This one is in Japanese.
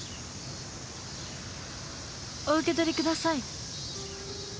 お受け取りください。